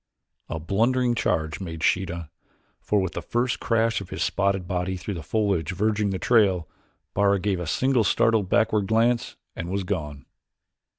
A blundering charge made Sheeta, for with the first crash of his spotted body through the foliage verging the trail, Bara gave a single startled backward glance and was gone.